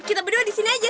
kita berdua di sini aja